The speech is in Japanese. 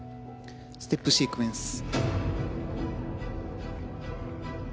ステップシークエンス。